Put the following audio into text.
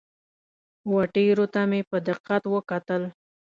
وه ټیرو ته مې په دقت وکتل.